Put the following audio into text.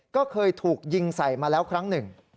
ก็เคยถูกยิงใส่มาแล้วครั้งหนึ่ง